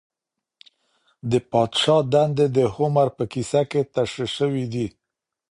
د پادشاه دندې د هومر په کيسه کي تشريح سوې دي.